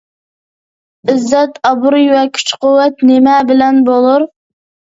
ئىززەت-ئابرۇي ۋە كۈچ-قۇۋۋەت نېمە بىلەن بولۇر؟